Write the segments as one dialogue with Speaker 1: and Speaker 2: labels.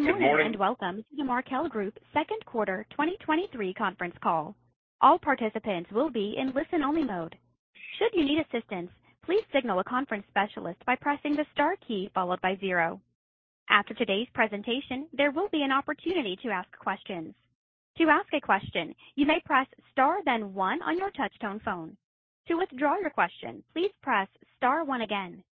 Speaker 1: Good morning, and welcome to the Markel Group second quarter 2023 conference call. All participants will be in listen-only mode. Should you need assistance, please signal a conference specialist by pressing the star key followed by zero. After today's presentation, there will be an opportunity to ask questions. To ask a question, you may press star, then one on your touchtone phone. To withdraw your question, please press star one again.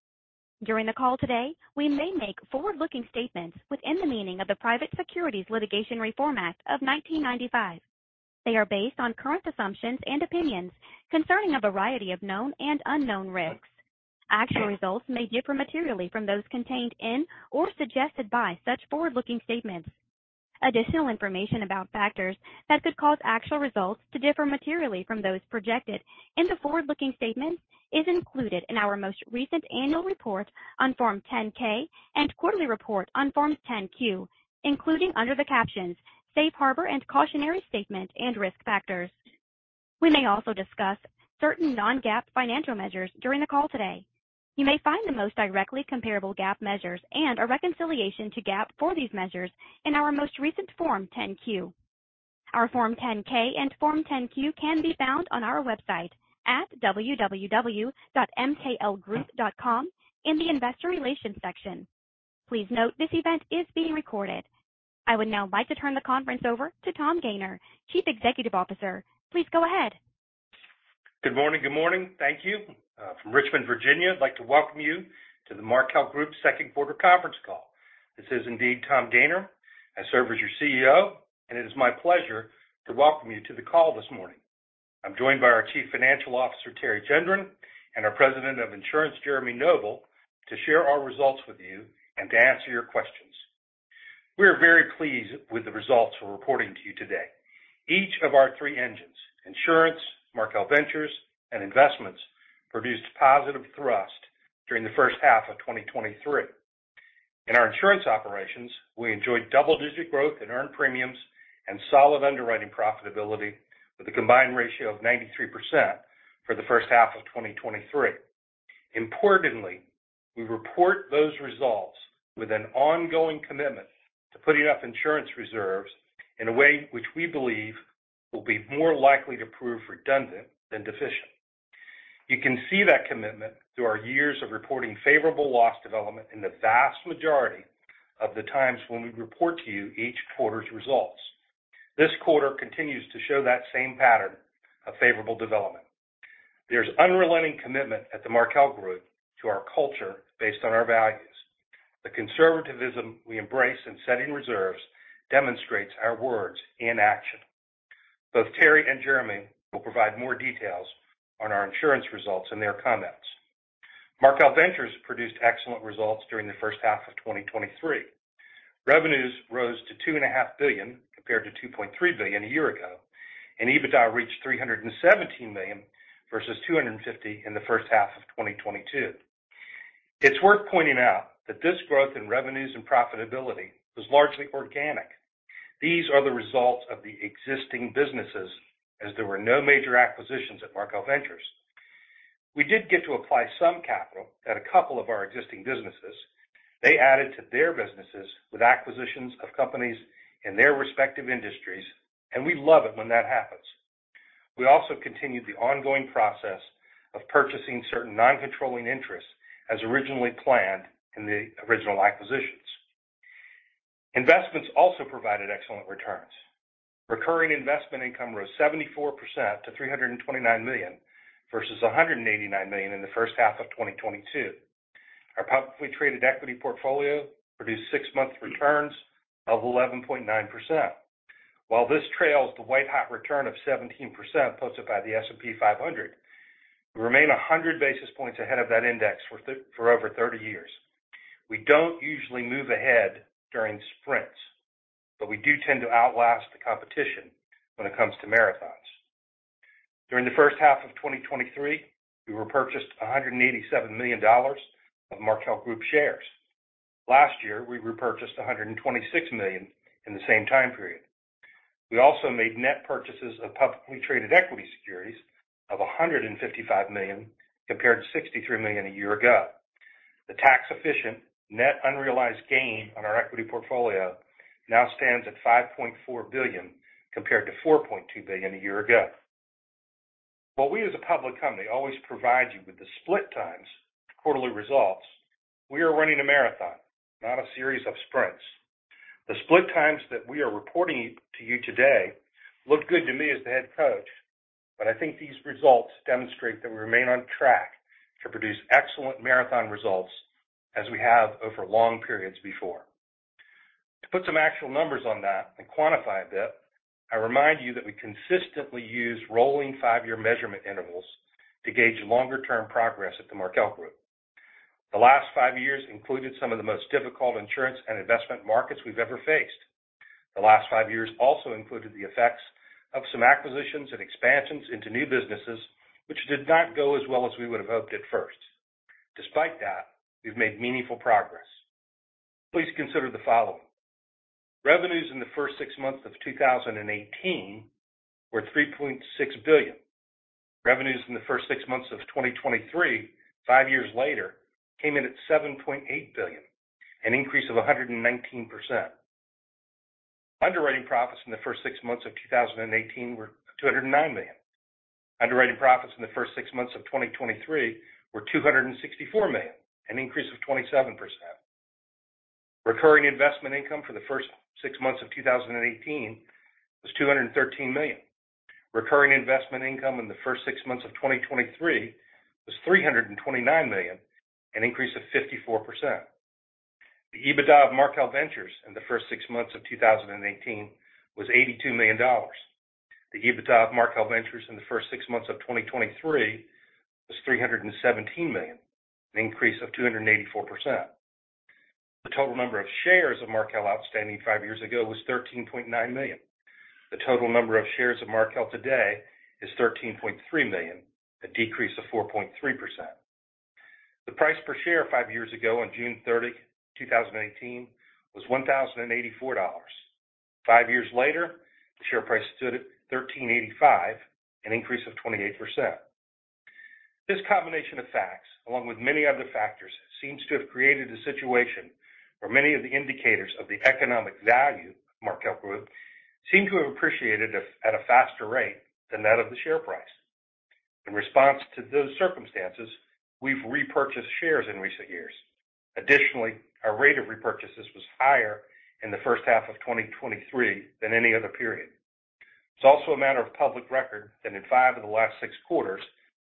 Speaker 1: During the call today, we may make forward-looking statements within the meaning of the Private Securities Litigation Reform Act of 1995. They are based on current assumptions and opinions concerning a variety of known and unknown risks. Actual results may differ materially from those contained in or suggested by such forward-looking statements. Additional information about factors that could cause actual results to differ materially from those projected in the forward-looking statements is included in our most recent annual report on Form 10-K and quarterly report on Form 10-Q, including under the captions Safe Harbor and Cautionary Statement and Risk Factors. We may also discuss certain non-GAAP financial measures during the call today. You may find the most directly comparable GAAP measures and a reconciliation to GAAP for these measures in our most recent Form 10-Q. Our Form 10-K and Form 10-Q can be found on our website at www.mklgroup.com in the Investor Relations section. Please note, this event is being recorded. I would now like to turn the conference over to Tom Gayner, Chief Executive Officer. Please go ahead.
Speaker 2: Good morning. Good morning. Thank you. From Richmond, Virginia, I'd like to welcome you to the Markel Group second quarter conference call. This is indeed Tom Gayner. I serve as your CEO. It is my pleasure to welcome you to the call this morning. I'm joined by our Chief Financial Officer, Teri Gendron, and our President of Insurance, Jeremy Noble, to share our results with you and to answer your questions. We are very pleased with the results we're reporting to you today. Each of our three engines, Insurance, Markel Ventures, and Investments, produced positive thrust during the first half of 2023. In our insurance operations, we enjoyed double-digit growth in earned premiums and solid underwriting profitability, with a combined ratio of 93% for the first half of 2023. Importantly, we report those results with an ongoing commitment to putting up insurance reserves in a way which we believe will be more likely to prove redundant than deficient. You can see that commitment through our years of reporting favorable loss development in the vast majority of the times when we report to you each quarter's results. This quarter continues to show that same pattern of favorable development. There's unrelenting commitment at the Markel Group to our culture based on our values. The conservativism we embrace in setting reserves demonstrates our words in action. Both Teri and Jeremy will provide more details on our insurance results and their comments. Markel Ventures produced excellent results during the first half of 2023. Revenues rose to $2.5 billion, compared to $2.3 billion a year ago, and EBITDA reached $317 million versus $250 million in the first half of 2022. It's worth pointing out that this growth in revenues and profitability was largely organic. These are the results of the existing businesses, as there were no major acquisitions at Markel Ventures. We did get to apply some capital at a couple of our existing businesses. They added to their businesses with acquisitions of companies in their respective industries, and we love it when that happens. We also continued the ongoing process of purchasing certain non-controlling interests as originally planned in the original acquisitions. Investments also provided excellent returns. Recurring investment income rose 74% to $329 million, versus $189 million in the first half of 2022. Our publicly traded equity portfolio produced 6-month returns of 11.9%. While this trails the white-hot return of 17% posted by the S&P 500, we remain 100 basis points ahead of that index for over 30 years. We don't usually move ahead during sprints, but we do tend to outlast the competition when it comes to marathons. During the first half of 2023, we repurchased $187 million of Markel Group shares. Last year, we repurchased $126 million in the same time period. We also made net purchases of publicly traded equity securities of $155 million, compared to $63 million a year ago. The tax-efficient net unrealized gain on our equity portfolio now stands at $5.4 billion, compared to $4.2 billion a year ago. While we, as a public company, always provide you with the split times, quarterly results, we are running a marathon, not a series of sprints. The split times that we are reporting to you today look good to me as the head coach, but I think these results demonstrate that we remain on track to produce excellent marathon results as we have over long periods before. To put some actual numbers on that and quantify a bit, I remind you that we consistently use rolling five-year measurement intervals to gauge longer-term progress at the Markel Group. The last five years included some of the most difficult insurance and investment markets we've ever faced. The last five years also included the effects of some acquisitions and expansions into new businesses, which did not go as well as we would have hoped at first. Despite that, we've made meaningful progress. Please consider the following. Revenues in the first six months of 2018 were $3.6 billion. Revenues in the first six months of 2023, five years later, came in at $7.8 billion, an increase of 119%. Underwriting profits in the first six months of 2018 were $209 million. Underwriting profits in the first six months of 2023 were $264 million, an increase of 27%. Recurring investment income for the first six months of 2018 was $213 million. Recurring investment income in the first six months of 2023 was $329 million, an increase of 54%. The EBITDA of Markel Ventures in the first six months of 2018 was $82 million. The EBITDA of Markel Ventures in the first six months of 2023 was $317 million, an increase of 284%. The total number of shares of Markel outstanding five years ago was 13.9 million. The total number of shares of Markel today is 13.3 million, a decrease of 4.3%. The price per share five years ago on June 30th, 2018, was $1,084. Five years later, the share price stood at $1,385, an increase of 28%. This combination of facts, along with many other factors, seems to have created a situation where many of the indicators of the economic value of Markel Group seem to have appreciated at a faster rate than that of the share price. In response to those circumstances, we've repurchased shares in recent years. Additionally, our rate of repurchases was higher in the first half of 2023 than any other period. It's also a matter of public record that in five of the last six quarters,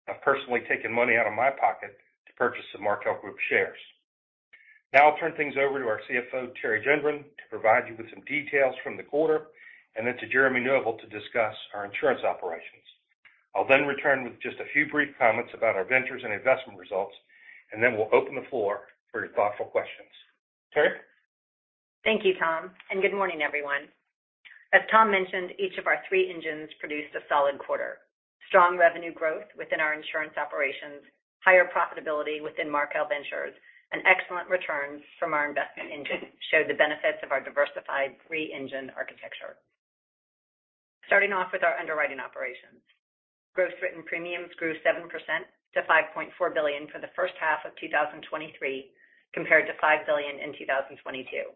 Speaker 2: I've personally taken money out of my pocket to purchase some Markel Group shares. I'll turn things over to our CFO, Teri Gendron, to provide you with some details from the quarter, and then to Jeremy Noble to discuss our insurance operations. I'll then return with just a few brief comments about our ventures and investment results, and then we'll open the floor for your thoughtful questions. Teri?
Speaker 3: Thank you, Tom, and good morning, everyone. As Tom mentioned, each of our three engines produced a solid quarter. Strong revenue growth within our insurance operations, higher profitability within Markel Ventures, and excellent returns from our investment engine showed the benefits of our diversified three-engine architecture. starting off with our underwriting operations. Gross written premiums grew 7% to $5.4 billion for the first half of 2023, compared to $5 billion in 2022.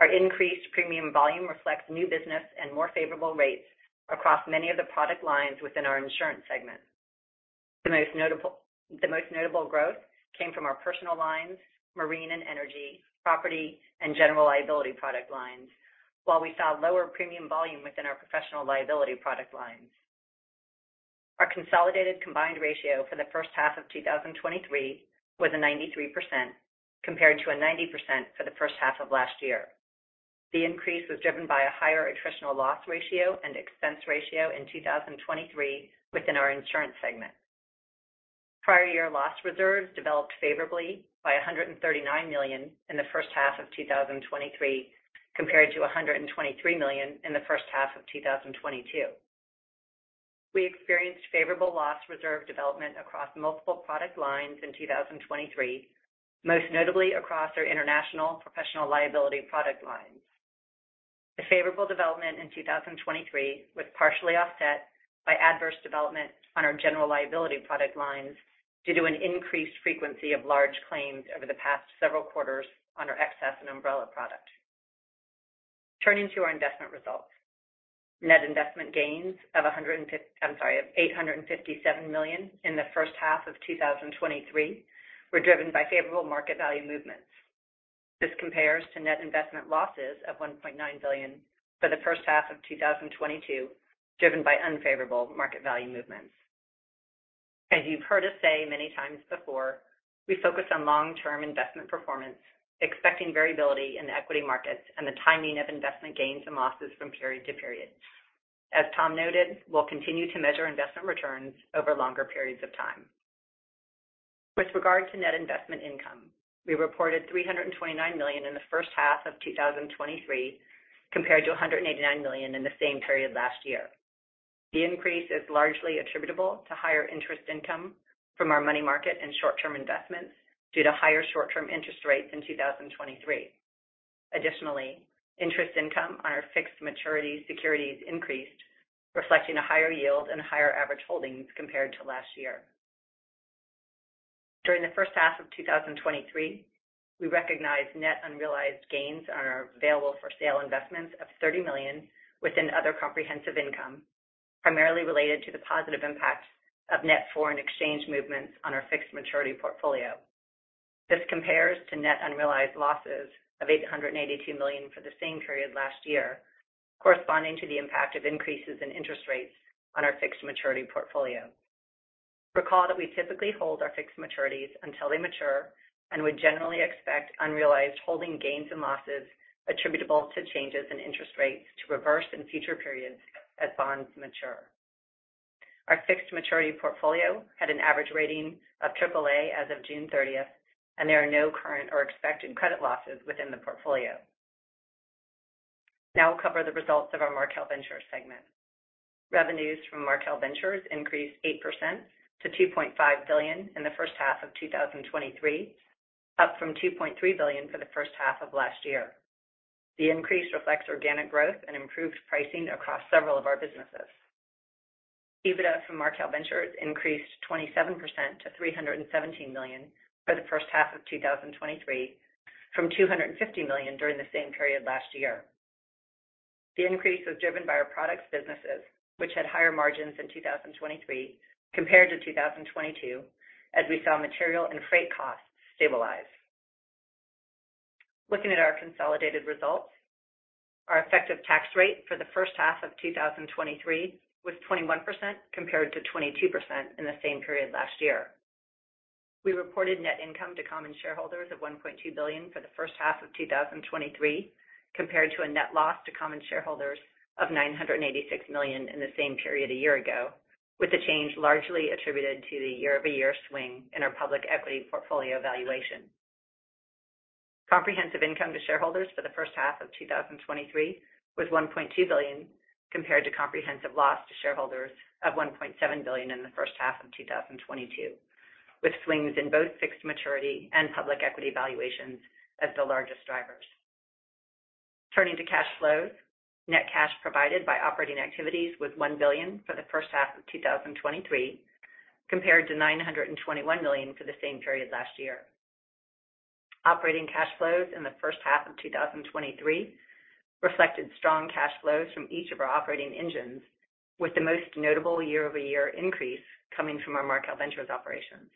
Speaker 3: Our increased premium volume reflects new business and more favorable rates across many of the product lines within our insurance segment. The most notable, the most notable growth came from our personal lines, marine and energy, property, and general liability product lines. While we saw lower premium volume within our professional liability product lines. Our consolidated combined ratio for the first half of 2023 was a 93%, compared to a 90% for the first half of last year. The increase was driven by a higher attritional loss ratio and expense ratio in 2023 within our insurance segment. Prior year loss reserves developed favorably by $139 million in the first half of 2023, compared to $123 million in the first half of 2022. We experienced favorable loss reserve development across multiple product lines in 2023, most notably across our international professional liability product lines. The favorable development in 2023 was partially offset by adverse development on our general liability product lines due to an increased frequency of large claims over the past several quarters on our excess and umbrella product. Turning to our investment results. Net investment gains of $857 million in the first half of 2023, were driven by favorable market value movements. This compares to net investment losses of $1.9 billion for the first half of 2022, driven by unfavorable market value movements. As you've heard us say many times before, we focus on long-term investment performance, expecting variability in the equity markets and the timing of investment gains and losses from period to period. As Tom noted, we'll continue to measure investment returns over longer periods of time. With regard to net investment income, we reported $329 million in the first half of 2023, compared to $189 million in the same period last year. The increase is largely attributable to higher interest income from our money market and short-term investments due to higher short-term interest rates in 2023. Additionally, interest income on our fixed maturity securities increased, reflecting a higher yield and higher average holdings compared to last year. During the first half of 2023, we recognized net unrealized gains on our available for sale investments of $30 million within other comprehensive income, primarily related to the positive impact of net foreign exchange movements on our fixed maturity portfolio. This compares to net unrealized losses of $882 million for the same period last year, corresponding to the impact of increases in interest rates on our fixed maturity portfolio. Recall that we typically hold our fixed maturities until they mature and would generally expect unrealized holding gains and losses attributable to changes in interest rates to reverse in future periods as bonds mature. Our fixed maturity portfolio had an average rating of AAA as of June 30th, and there are no current or expected credit losses within the portfolio. We'll cover the results of our Markel Ventures segment. Revenues from Markel Ventures increased 8% to $2.5 billion in the first half of 2023, up from $2.3 billion for the first half of last year. The increase reflects organic growth and improved pricing across several of our businesses. EBITDA from Markel Ventures increased 27% to $317 million for the first half of 2023, from $250 million during the same period last year. The increase was driven by our products businesses, which had higher margins in 2023 compared to 2022, as we saw material and freight costs stabilize. Looking at our consolidated results, our effective tax rate for the first half of 2023 was 21%, compared to 22% in the same period last year. We reported net income to common shareholders of $1.2 billion for the first half of 2023, compared to a net loss to common shareholders of $986 million in the same period a year ago, with the change largely attributed to the year-over-year swing in our public equity portfolio evaluation. Comprehensive income to shareholders for the first half of 2023 was $1.2 billion, compared to comprehensive loss to shareholders of $1.7 billion in the first half of 2022, with swings in both fixed maturity and public equity valuations as the largest drivers. Turning to cash flows, net cash provided by operating activities was $1 billion for the first half of 2023, compared to $921 million for the same period last year. Operating cash flows in the first half of 2023 reflected strong cash flows from each of our operating engines, with the most notable year-over-year increase coming from our Markel Ventures operations.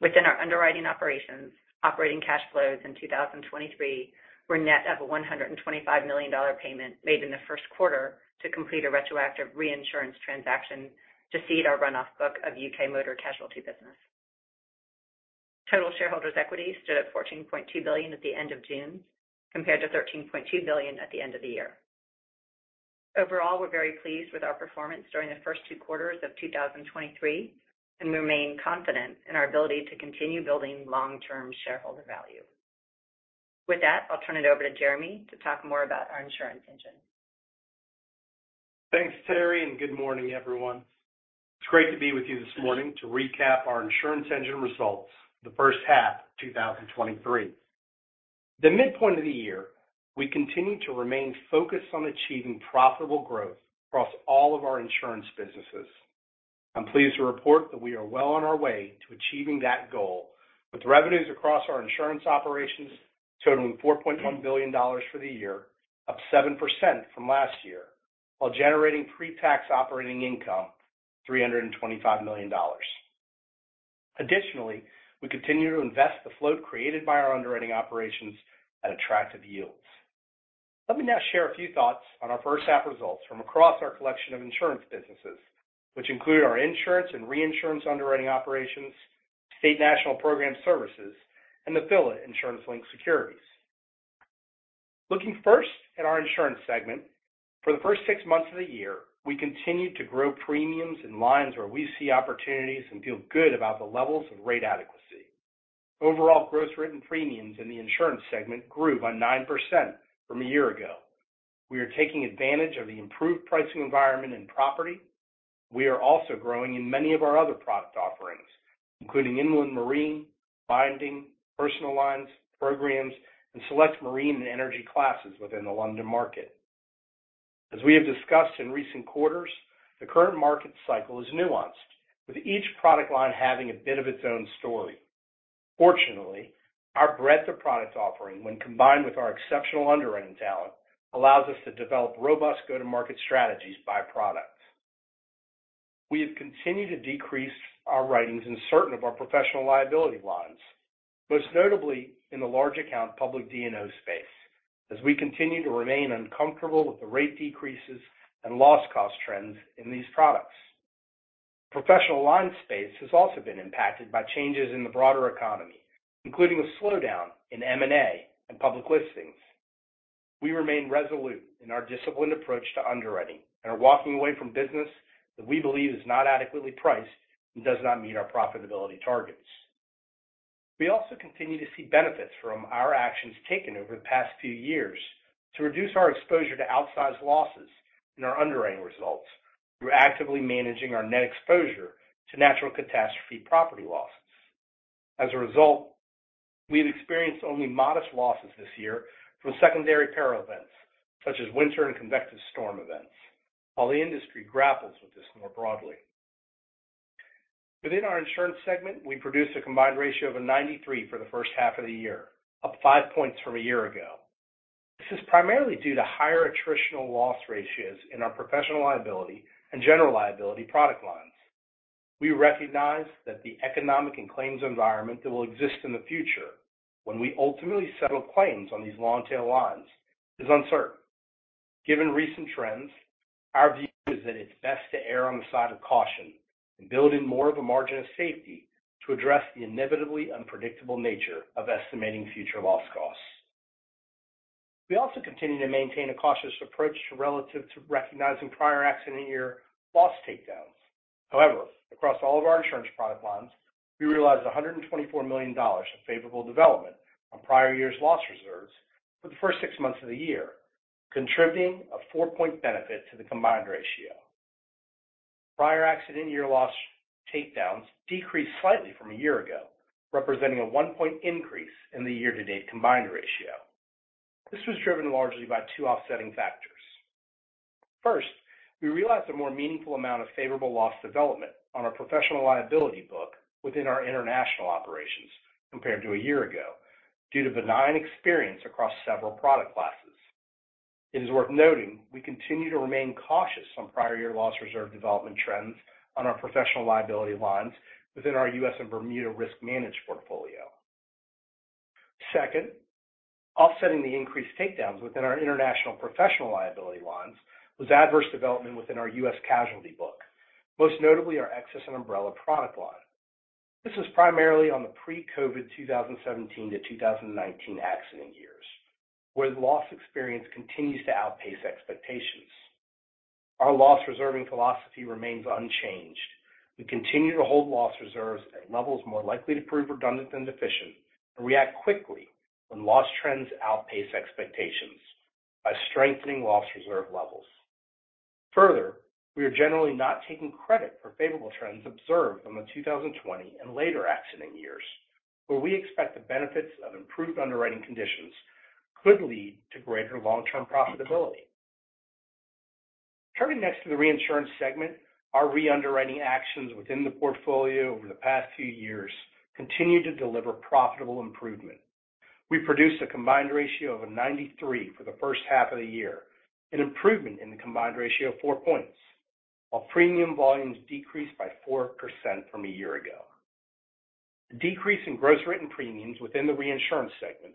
Speaker 3: Within our underwriting operations, operating cash flows in 2023 were net of a $125 million payment made in the first quarter to complete a retroactive reinsurance transaction to cede our run-off book of U.K. motor casualty business. Total shareholders' equity stood at $14.2 billion at the end of June, compared to $13.2 billion at the end of the year. Overall, we're very pleased with our performance during the first two quarters of 2023, and we remain confident in our ability to continue building long-term shareholder value. With that, I'll turn it over to Jeremy to talk more about our insurance engine.
Speaker 4: Thanks, Teri. Good morning, everyone. It's great to be with you this morning to recap our insurance engine results for the first half of 2023. The midpoint of the year, we continue to remain focused on achieving profitable growth across all of our insurance businesses. I'm pleased to report that we are well on our way to achieving that goal, with revenues across our insurance operations totaling $4.1 billion for the year, up 7% from last year, while generating pre-tax operating income, $325 million. Additionally, we continue to invest the float created by our underwriting operations at attractive yields. Let me now share a few thoughts on our first half results from across our collection of insurance businesses, which include our insurance and reinsurance underwriting operations, State National Program Services, and the affiliate insurance-linked securities. Looking first at our insurance segment, for the first six months of the year, we continued to grow premiums in lines where we see opportunities and feel good about the levels of rate adequacy. Overall, gross written premiums in the insurance segment grew by 9% from a year ago. We are taking advantage of the improved pricing environment in property. We are also growing in many of our other product offerings, including inland marine, binding, personal lines, programs, and select marine and energy classes within the London market. As we have discussed in recent quarters, the current market cycle is nuanced, with each product line having a bit of its own story. Fortunately, our breadth of products offering, when combined with our exceptional underwriting talent, allows us to develop robust go-to-market strategies by products. We have continued to decrease our writings in certain of our professional liability lines, most notably in the large account public D&O space, as we continue to remain uncomfortable with the rate decreases and loss cost trends in these products. Professional line space has also been impacted by changes in the broader economy, including a slowdown in M&A and public listings. We remain resolute in our disciplined approach to underwriting and are walking away from business that we believe is not adequately priced and does not meet our profitability targets. We also continue to see benefits from our actions taken over the past few years to reduce our exposure to outsized losses in our underwriting results. We're actively managing our net exposure to natural catastrophe property losses. As a result, we have experienced only modest losses this year from secondary peril events, such as winter and convective storm events, while the industry grapples with this more broadly. Within our insurance segment, we produced a combined ratio of 93% for the first half of the year, up five points from a year ago. This is primarily due to higher attritional loss ratios in our professional liability and general liability product lines. We recognize that the economic and claims environment that will exist in the future when we ultimately settle claims on these long-tail lines is uncertain. Given recent trends, our view is that it's best to err on the side of caution and build in more of a margin of safety to address the inevitably unpredictable nature of estimating future loss costs. We also continue to maintain a cautious approach to relative to recognizing prior accident year loss takedowns. However, across all of our insurance product lines, we realized $124 million of favorable development on prior years' loss reserves for the first six months of the year, contributing a 4-point benefit to the combined ratio. Prior accident year loss takedowns decreased slightly from a year ago, representing a 1-point increase in the year-to-date combined ratio. This was driven largely by two offsetting factors. First, we realized a more meaningful amount of favorable loss development on our professional liability book within our international operations compared to a year ago, due to benign experience across several product classes. It is worth noting, we continue to remain cautious on prior year loss reserve development trends on our professional liability lines within our U.S. and Bermuda Risk Managed portfolio. Second, offsetting the increased takedowns within our international professional liability lines was adverse development within our U.S. casualty book, most notably our excess and umbrella product line. This is primarily on the pre-COVID 2017 to 2019 accident years, where the loss experience continues to outpace expectations. Our loss reserving philosophy remains unchanged. We continue to hold loss reserves at levels more likely to prove redundant than deficient, and react quickly when loss trends outpace expectations by strengthening loss reserve levels. Further, we are generally not taking credit for favorable trends observed from the 2020 and later accident years, where we expect the benefits of improved underwriting conditions could lead to greater long-term profitability. Turning next to the reinsurance segment, our re-underwriting actions within the portfolio over the past few years continue to deliver profitable improvement. We produced a combined ratio of 93 for the first half of the year, an improvement in the combined ratio of 4 points, while premium volumes decreased by 4% from a year ago. The decrease in gross written premiums within the reinsurance segment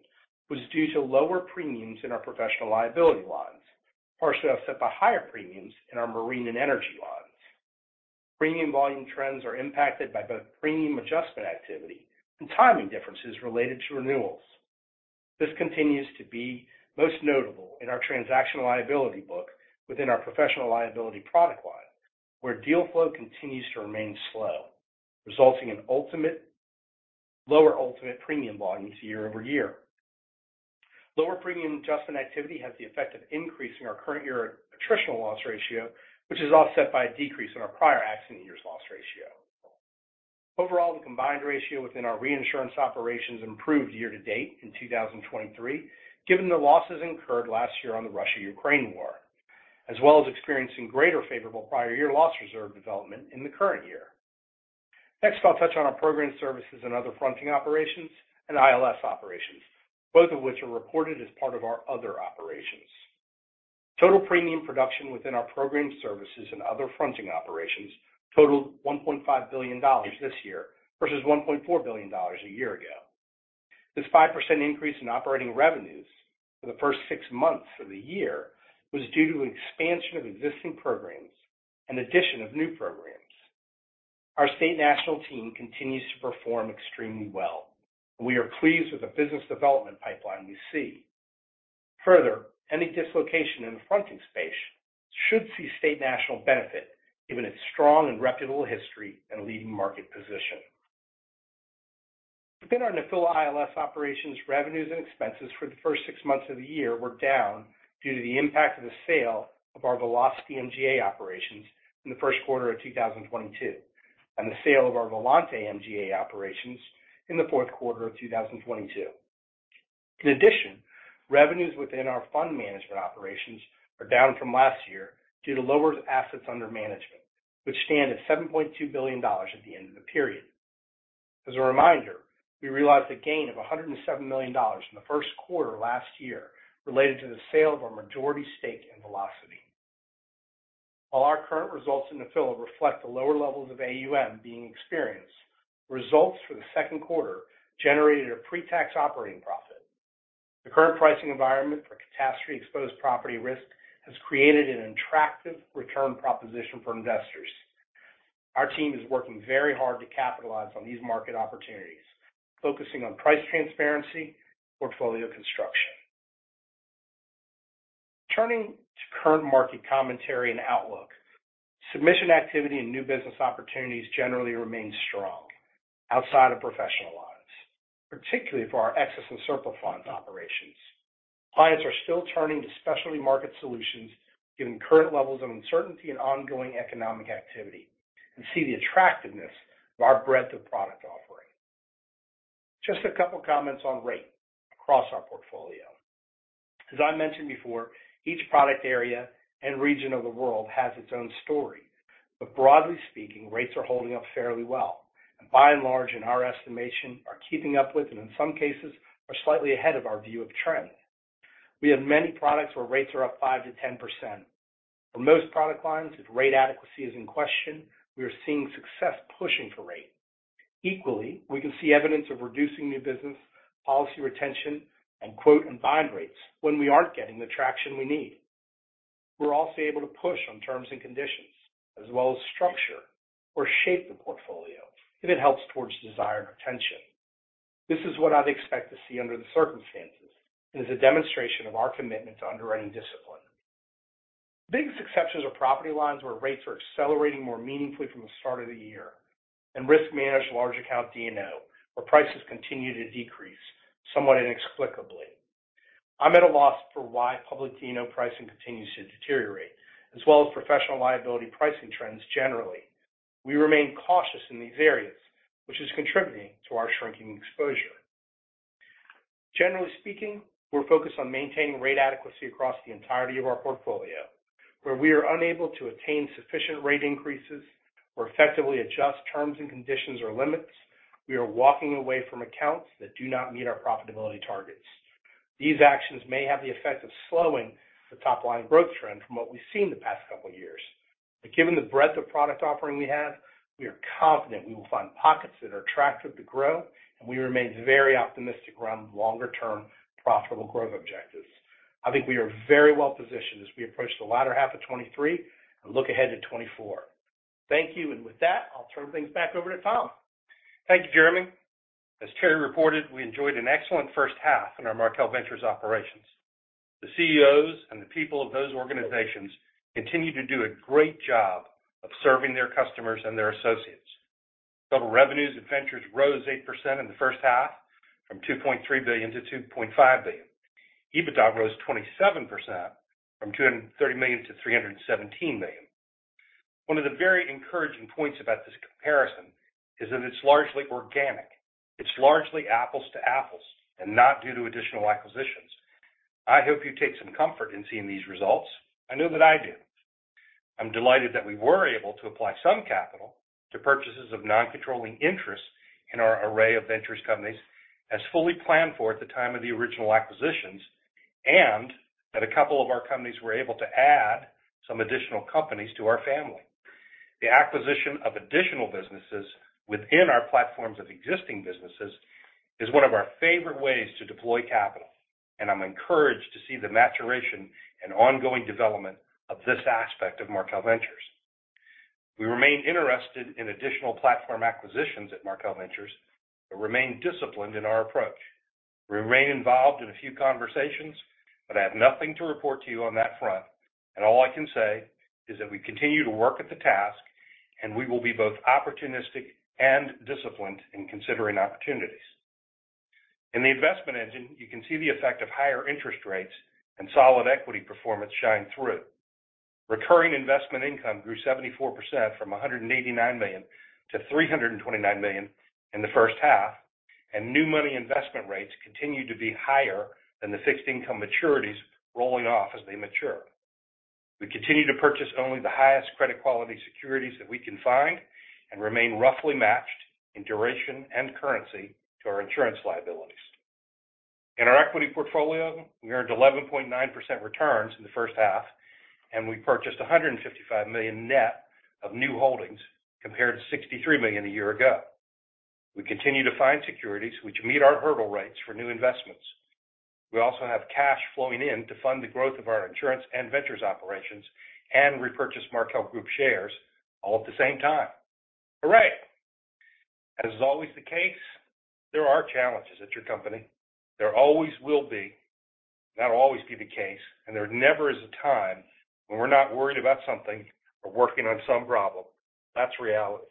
Speaker 4: was due to lower premiums in our professional liability lines, partially offset by higher premiums in our marine and energy lines. Premium volume trends are impacted by both premium adjustment activity and timing differences related to renewals. This continues to be most notable in our transactional liability book within our professional liability product line, where deal flow continues to remain slow, resulting in ultimate, lower ultimate premium volumes year-over-year. Lower premium adjustment activity has the effect of increasing our current year attritional loss ratio, which is offset by a decrease in our prior accident year's loss ratio. Overall, the combined ratio within our reinsurance operations improved year to date in 2023, given the losses incurred last year on the Russia-Ukraine war, as well as experiencing greater favorable prior year loss reserve development in the current year. Next, I'll touch on our program services and other fronting operations and ILS operations, both of which are reported as part of our other operations. Total premium production within our program services and other fronting operations totaled $1.5 billion this year versus $1.4 billion a year ago. This 5% increase in operating revenues for the first six months of the year was due to an expansion of existing programs and addition of new programs. Our State National team continues to perform extremely well. We are pleased with the business development pipeline we see. Further, any dislocation in the fronting space should see State National benefit, given its strong and reputable history and leading market position. Within our Nephila ILS operations, revenues and expenses for the first six months of the year were down due to the impact of the sale of our Velocity MGA operations in the first quarter of 2022, and the sale of our Volante MGA operations in the fourth quarter of 2022. In addition, revenues within our fund management operations are down from last year due to lower assets under management, which stand at $7.2 billion at the end of the period. As a reminder, we realized a gain of $107 million in the first quarter of last year related to the sale of our majority stake in Velocity. While our current results in Nephila reflect the lower levels of AUM being experienced, results for the second quarter generated a pre-tax operating profit. The current pricing environment for catastrophe-exposed property risk has created an attractive return proposition for investors. Our team is working very hard to capitalize on these market opportunities, focusing on price transparency, portfolio construction. Turning to current market commentary and outlook, submission activity and new business opportunities generally remain strong outside of professional lines, particularly for our excess and surplus lines operations. Clients are still turning to specialty market solutions, given current levels of uncertainty and ongoing economic activity, and see the attractiveness of our breadth of product offering. Just a couple of comments on rate across our portfolio. As I mentioned before, each product area and region of the world has its own story, but broadly speaking, rates are holding up fairly well, and by and large, in our estimation, are keeping up with, and in some cases, are slightly ahead of our view of trend. We have many products where rates are up 5%-10%. For most product lines, if rate adequacy is in question, we are seeing success pushing for rate. Equally, we can see evidence of reducing new business, policy retention, and quote and bind rates when we aren't getting the traction we need. We're also able to push on terms and conditions, as well as structure or shape the portfolio if it helps towards the desired retention. This is what I'd expect to see under the circumstances, and is a demonstration of our commitment to underwriting discipline. The biggest exceptions are property lines, where rates are accelerating more meaningfully from the start of the year, and risk-managed large account D&O where prices continue to decrease somewhat inexplicably. I'm at a loss for why public D&O pricing continues to deteriorate, as well as professional liability pricing trends generally. We remain cautious in these areas, which is contributing to our shrinking exposure. Generally speaking, we're focused on maintaining rate adequacy across the entirety of our portfolio, where we are unable to attain sufficient rate increases or effectively adjust terms and conditions or limits, we are walking away from accounts that do not meet our profitability targets. These actions may have the effect of slowing the top line growth trend from what we've seen in the past couple of years. Given the breadth of product offering we have, we are confident we will find pockets that are attractive to grow, and we remain very optimistic around longer-term, profitable growth objectives. I think we are very well positioned as we approach the latter half of 2023 and look ahead to 2024. Thank you, and with that, I'll turn things back over to Tom.
Speaker 2: Thank you, Jeremy. As Terry reported, we enjoyed an excellent first half in our Markel Ventures operations. The CEOs and the people of those organizations continue to do a great job of serving their customers and their associates. Total revenues at Ventures rose 8% in the first half, from $2.3 billion to $2.5 billion. EBITDA rose 27% from $230 million to $317 million. One of the very encouraging points about this comparison is that it's largely organic. It's largely apples to apples and not due to additional acquisitions. I hope you take some comfort in seeing these results. I know that I do. I'm delighted that we were able to apply some capital to purchases of non-controlling interests in our array of ventures companies, as fully planned for at the time of the original acquisitions, and that a couple of our companies were able to add some additional companies to our family. The acquisition of additional businesses within our platforms of existing businesses is one of our favorite ways to deploy capital, and I'm encouraged to see the maturation and ongoing development of this aspect of Markel Ventures. We remain interested in additional platform acquisitions at Markel Ventures, but remain disciplined in our approach. We remain involved in a few conversations, but I have nothing to report to you on that front, and all I can say is that we continue to work at the task, and we will be both opportunistic and disciplined in considering opportunities. In the investment engine, you can see the effect of higher interest rates and solid equity performance shine through. Recurring investment income grew 74% from $189 million to $329 million in the first half, and new money investment rates continue to be higher than the fixed income maturities rolling off as they mature. We continue to purchase only the highest credit quality securities that we can find and remain roughly matched in duration and currency to our insurance liabilities. In our equity portfolio, we earned 11.9% returns in the first half, and we purchased $155 million net of new holdings, compared to $63 million a year ago. We continue to find securities which meet our hurdle rates for new investments. We also have cash flowing in to fund the growth of our insurance and ventures operations and repurchase Markel Group shares all at the same time. Hooray! As is always the case, there are challenges at your company. There always will be. That'll always be the case, and there never is a time when we're not worried about something or working on some problem. That's reality.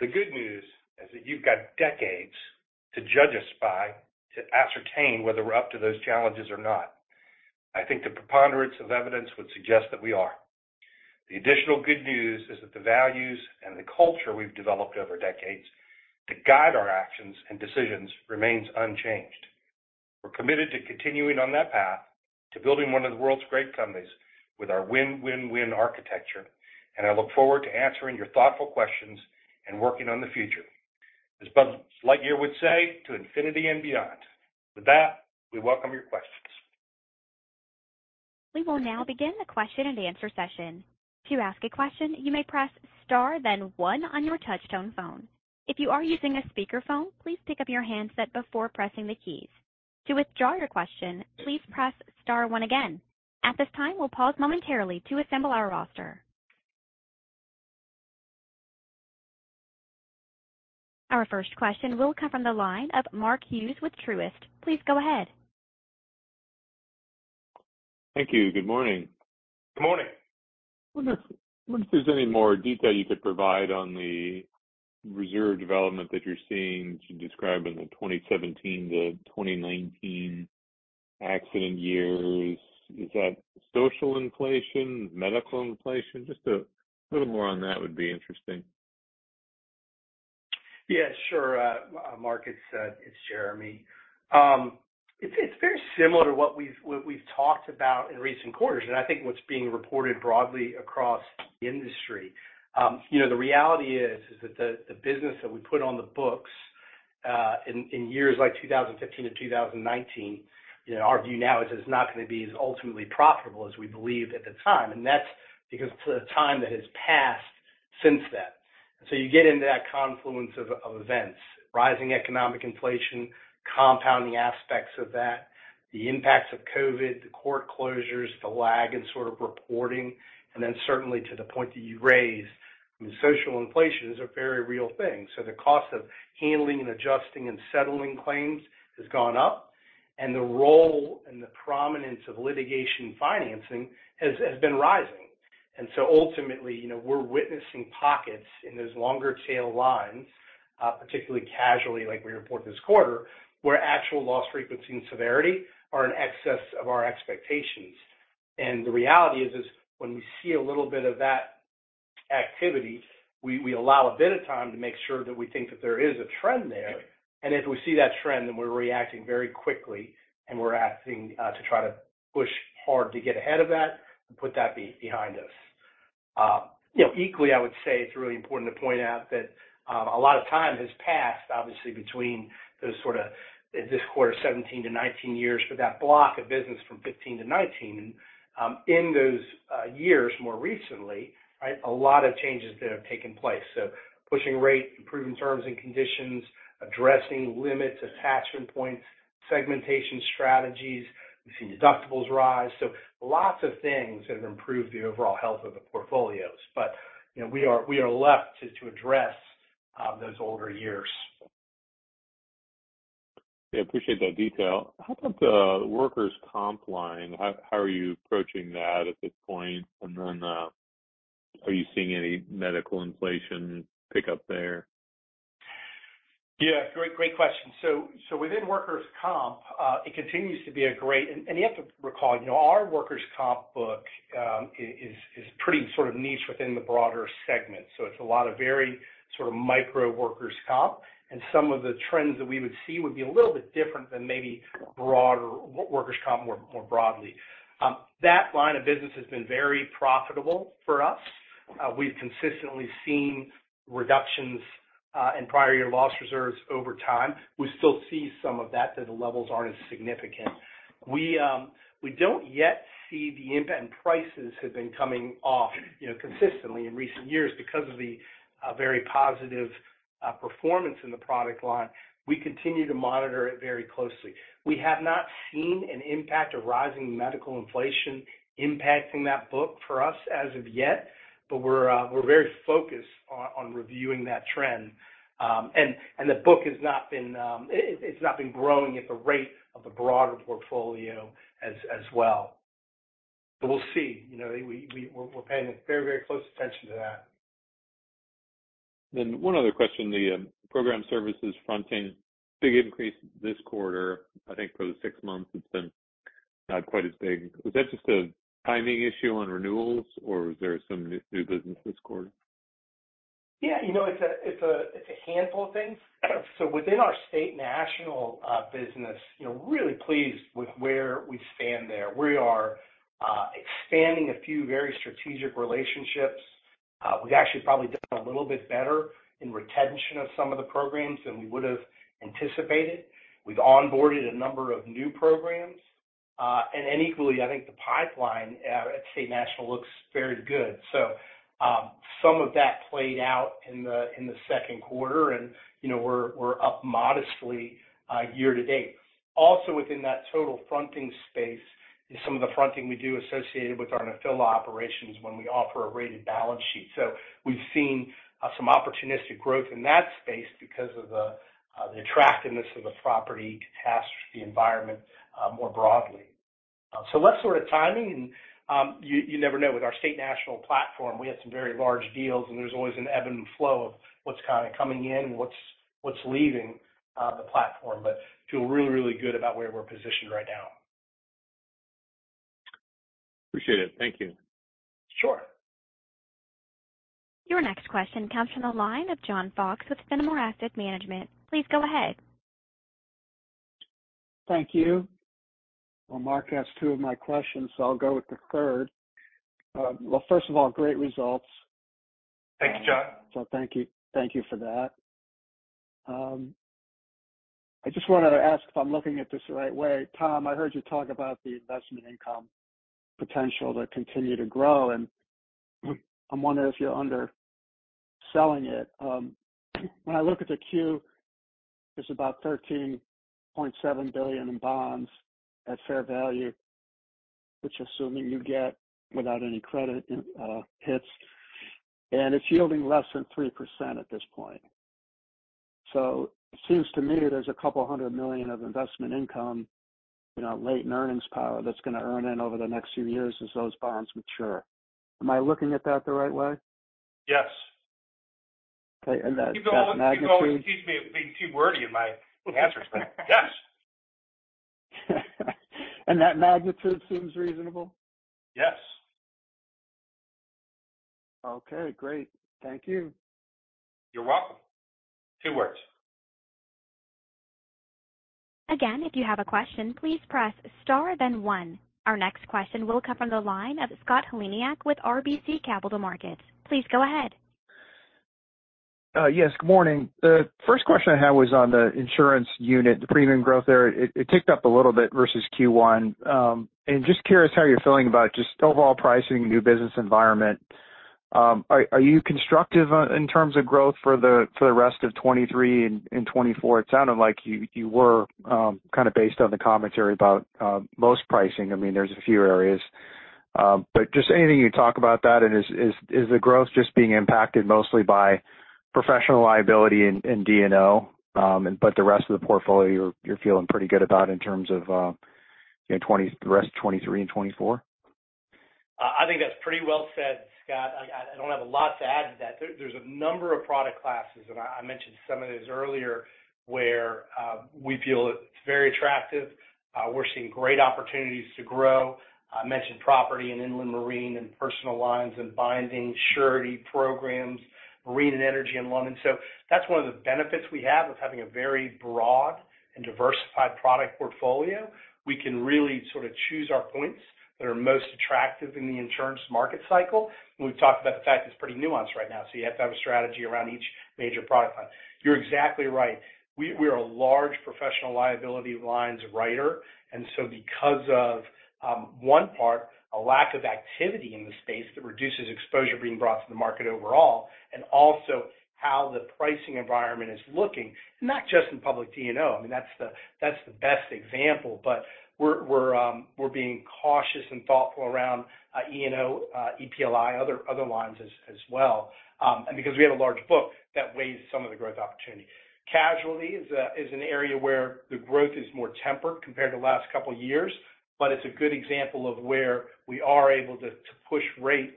Speaker 2: The good news is that you've got decades to judge us by, to ascertain whether we're up to those challenges or not. I think the preponderance of evidence would suggest that we are. The additional good news is that the values and the culture we've developed over decades to guide our actions and decisions remains unchanged. We're committed to continuing on that path, to building one of the world's great companies with our win-win-win architecture, and I look forward to answering your thoughtful questions and working on the future. As Buzz Lightyear would say, "To infinity and beyond." With that, we welcome your questions.
Speaker 1: We will now begin the question and answer session. To ask a question, you may press star, then one on your touchtone phone. If you are using a speakerphone, please pick up your handset before pressing the keys. To withdraw your question, please press star one again. At this time, we'll pause momentarily to assemble our roster. Our first question will come from the line of Mark Hughes with Truist. Please go ahead.
Speaker 5: Thank you. Good morning.
Speaker 2: Good morning.
Speaker 5: I wonder if there's any more detail you could provide on the reserve development that you're seeing to describe in the 2017-2019 accident years. Is that social inflation, medical inflation? Just a little more on that would be interesting.
Speaker 4: Yeah, sure, Mark, it's Jeremy. It's, it's very similar to what we've, we've talked about in recent quarters, and I think what's being reported broadly across the industry. You know, the reality is, is that the, the business that we put on the books, in, in years like 2015-2019, you know, our view now is it's not gonna be as ultimately profitable as we believed at the time, and that's because of the time that has passed since then. So you get into that confluence of, of events, rising economic inflation, compounding aspects of that, the impacts of COVID, the court closures, the lag in sort of reporting, and then certainly to the point that you raised, social inflation is a very real thing. The cost of handling and adjusting and settling claims has gone up, and the role and the prominence of litigation financing has been rising. Ultimately, you know, we're witnessing pockets in those longer tail lines, particularly casualty, like we reported this quarter, where actual loss frequency and severity are in excess of our expectations. The reality is, is when we see a little bit of that activity, we allow a bit of time to make sure that we think that there is a trend there. If we see that trend, then we're reacting very quickly, and we're acting to try to push hard to get ahead of that and put that behind us. You know, equally, I would say it's really important to point out that a lot of time has passed, obviously, between those sorta, this quarter, 17-19 years for that block of business from 15-19. In those years, more recently, right, a lot of changes that have taken place. Pushing rate, improving terms and conditions, addressing limits, attachment points, segmentation strategies. We've seen deductibles rise. Lots of things have improved the overall health of the portfolios, but, you know, we are, we are left to, to address those older years.
Speaker 5: Yeah, I appreciate that detail. How about the workers' comp line? How are you approaching that at this point? Are you seeing any medical inflation pick up there?
Speaker 4: Yeah, great, great question. So within workers' comp, it continues to be a great and you have to recall, you know, our workers' comp book is pretty sort of niche within the broader segment. It's a lot of very sort of micro workers' comp, and some of the trends that we would see would be a little bit different than maybe broader, workers' comp more, more broadly. That line of business has been very profitable for us. We've consistently seen reductions in prior year loss reserves over time. We still see some of that, though the levels aren't as significant. We don't yet see the impact, and prices have been coming off, you know, consistently in recent years because of the very positive performance in the product line. We continue to monitor it very closely. We have not seen an impact of rising medical inflation impacting that book for us as of yet, but we're, we're very focused on, on reviewing that trend. The book has not been, it, it's not been growing at the rate of the broader portfolio as, as well. We'll see. You know, we, we, we're paying very, very close attention to that.
Speaker 5: One other question. The program services fronting, big increase this quarter. I think for the six months, it's been not quite as big. Was that just a timing issue on renewals, or was there some new, new business this quarter?
Speaker 4: Yeah, you know, it's a handful of things. Within our State National business, you know, really pleased with where we stand there. We are expanding a few very strategic relationships. We've actually probably done a little bit better in retention of some of the programs than we would have anticipated. We've onboarded a number of new programs. Equally, I think the pipeline at State National looks very good. Some of that played out in the second quarter and, you know, we're up modestly year to date. Also, within that total fronting space is some of the fronting we do associated with our Nephila operations when we offer a rated balance sheet. We've seen some opportunistic growth in that space because of the attractiveness of the property catastrophe environment more broadly. Less sort of timing, and you, you never know. With our State National platform, we have some very large deals, and there's always an ebb and flow of what's kind of coming in and what's, what's leaving the platform. Feel really, really good about where we're positioned right now.
Speaker 5: Appreciate it. Thank you.
Speaker 4: Sure.
Speaker 1: Your next question comes from the line of John Fox with Fenimore Asset Management. Please go ahead.
Speaker 6: Thank you. Well, Mark asked two of my questions, so I'll go with the third. Well, first of all, great results.
Speaker 4: Thanks, John.
Speaker 6: Thank you. Thank you for that. I just wanted to ask if I'm looking at this the right way. Tom, I heard you talk about the investment income potential to continue to grow, and I'm wondering if you're under selling it. When I look at the Q, there's about $13.7 billion in bonds at fair value, which assuming you get without any credit hits, and it's yielding less than 3% at this point. It seems to me there's about $200 million of investment income, you know, late in earnings power that's going to earn in over the next few years as those bonds mature. Am I looking at that the right way?
Speaker 2: Yes.
Speaker 6: Okay, that magnitude-
Speaker 2: You've always accused me of being too wordy in my answers. Yes.
Speaker 6: That magnitude seems reasonable?
Speaker 4: Yes.
Speaker 6: Okay, great. Thank you.
Speaker 4: You're welcome. Two words.
Speaker 1: Again, if you have a question, please press star then one. Our next question will come from the line of Scott Heleniak with RBC Capital Markets. Please go ahead.
Speaker 7: Yes, good morning. The first question I had was on the insurance unit, the premium growth there. It, it ticked up a little bit versus Q1. Just curious how you're feeling about just overall pricing, new business environment. Are, are you constructive, in terms of growth for the, for the rest of 2023 and, and 2024? It sounded like you, you were, kind of based on the commentary about, most pricing. I mean, there's a few areas. Just anything you talk about that, and is, is, is the growth just being impacted mostly by professional liability in, in D&O, but the rest of the portfolio you're, you're feeling pretty good about in terms of, you know, the rest of 2023 and 2024?
Speaker 4: I think that's pretty well said, Scott. I, I don't have a lot to add to that. There, there's a number of product classes, and I, I mentioned some of those earlier, where we feel it's very attractive. We're seeing great opportunities to grow. I mentioned property and inland marine and personal lines and binding surety programs, marine and energy and London. That's one of the benefits we have of having a very broad and diversified product portfolio. We can really sort of choose our points that are most attractive in the insurance market cycle. We've talked about the fact it's pretty nuanced right now, so you have to have a strategy around each major product line. You're exactly right. We, we're a large professional liability lines writer, and so because of, one part, a lack of activity in the space that reduces exposure being brought to the market overall, and also how the pricing environment is looking, not just in public D&O. I mean, that's the, that's the best example. We're, we're, we're being cautious and thoughtful around E&O, EPLI, other, other lines as, as well. Because we have a large book, that weighs some of the growth opportunity. Casualty is a, is an area where the growth is more tempered compared to the last couple of years, but it's a good example of where we are able to, to push rate,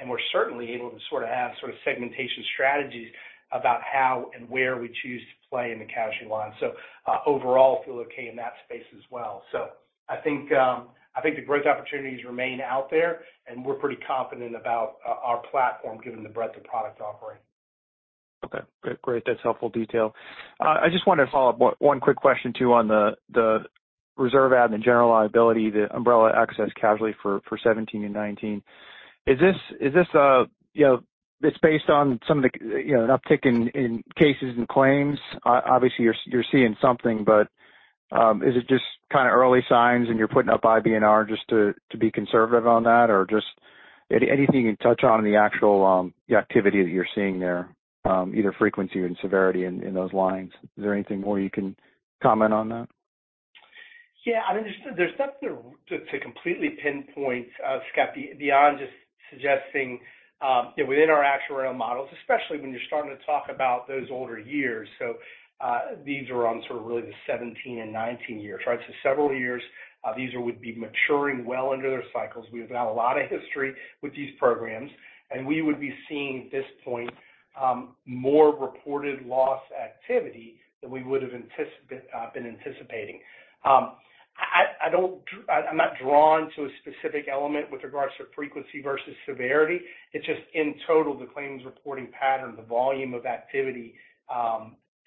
Speaker 4: and we're certainly able to sort of have sort of segmentation strategies about how and where we choose to play in the casualty line. Overall, feel okay in that space as well. I think, I think the growth opportunities remain out there, and we're pretty confident about our platform, given the breadth of product offering.
Speaker 7: Okay. Great. That's helpful detail. I just wanted to follow up one, one quick question, too, on the, the reserve add and the general liability, the umbrella access casualty for, for 2017 and 2019. Is this, is this, you know, this based on some of the, you know, an uptick in, in cases and claims? Obviously, you're, you're seeing something, but, is it just kind of early signs and you're putting up IBNR just to, to be conservative on that? Or just anything you can touch on the actual, the activity that you're seeing there, either frequency and severity in, in those lines? Is there anything more you can comment on that?
Speaker 4: Yeah, I mean, there's nothing to, to, to completely pinpoint, Scott, beyond just suggesting, within our actuarial models, especially when you're starting to talk about those older years. These are on sort of really the 2017 and 2019 years, right? Several years, these would be maturing well under their cycles. We've got a lot of history with these programs, and we would be seeing, at this point, more reported loss activity than we would have been anticipating. I don't I'm not drawn to a specific element with regards to frequency versus severity. It's just in total, the claims reporting pattern, the volume of activity,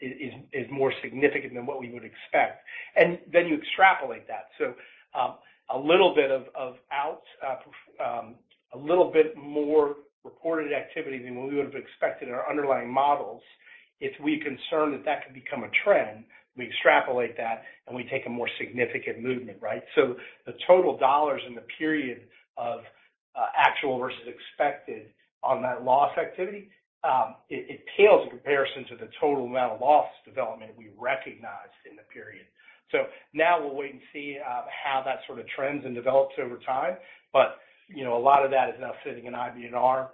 Speaker 4: is more significant than what we would expect. Then you extrapolate that. A little bit of, of out, a little bit more reported activity than what we would have expected in our underlying models. If we're concerned that that could become a trend, we extrapolate that, and we take a more significant movement, right? The total dollars in the period of actual versus expected on that loss activity, it pales in comparison to the total amount of loss development we recognized in the period. Now we'll wait and see how that sort of trends and develops over time. You know, a lot of that is now sitting in IBNR.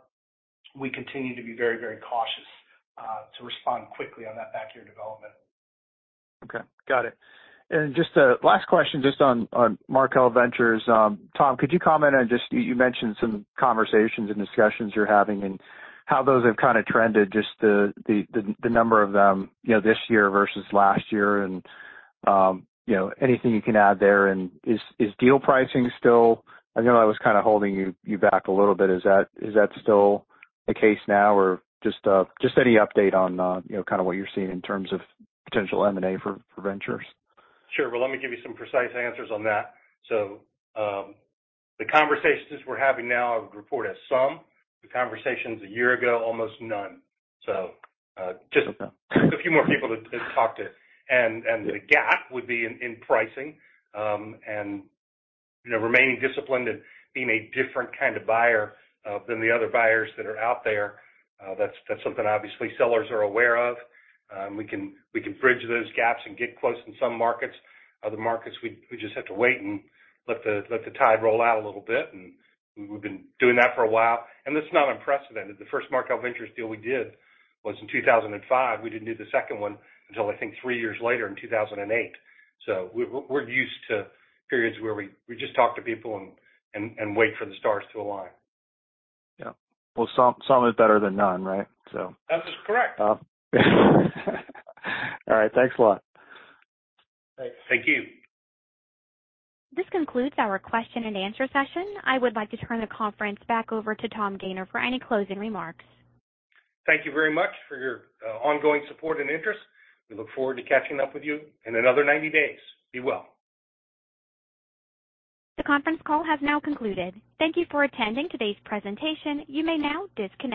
Speaker 4: We continue to be very, very cautious to respond quickly on that back year development.
Speaker 7: Okay, got it. Just a last question, just on, on Markel Ventures. Tom, could you comment on just You, you mentioned some conversations and discussions you're having and how those have kind of trended, just the, the, the number of them, you know, this year versus last year, and, you know, anything you can add there? Is, is deal pricing still? I know I was kind of holding you, you back a little bit. Is that, is that still the case now or just any update on, you know, kind of what you're seeing in terms of potential M&A for, for ventures?
Speaker 4: Sure. Well, let me give you some precise answers on that. The conversations we're having now, I would report as some. The conversations a year ago, almost none.
Speaker 7: Okay
Speaker 4: A few more people to, to talk to. The gap would be in, in pricing, and, you know, remaining disciplined and being a different kind of buyer, than the other buyers that are out there. That's, that's something obviously sellers are aware of. We can, we can bridge those gaps and get close in some markets. Other markets, we, we just have to wait and let the, let the tide roll out a little bit, and we've been doing that for a while. It's not unprecedented. The first Markel Ventures deal we did was in 2005. We didn't do the second one until, I think, three years later in 2008. We're, we're used to periods where we, we just talk to people and, and, and wait for the stars to align.
Speaker 7: Yeah. Well, some, some is better than none, right?
Speaker 4: That is correct.
Speaker 7: All right. Thanks a lot.
Speaker 4: Thanks. Thank you.
Speaker 1: This concludes our question and answer session. I would like to turn the conference back over to Tom Gayner for any closing remarks.
Speaker 2: Thank you very much for your ongoing support and interest. We look forward to catching up with you in another 90 days. Be well.
Speaker 1: The conference call has now concluded. Thank you for attending today's presentation. You may now disconnect.